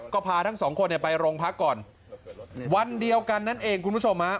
ก็พาทั้งสองคนเนี่ยไปโรงพักก่อนวันเดียวกันนั่นเองคุณผู้ชมฮะ